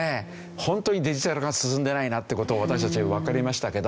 本当にデジタル化進んでないなっていう事私たちはわかりましたけど。